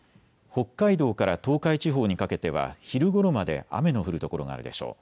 北海道から東海地方にかけては昼ごろまで雨の降る所があるでしょう。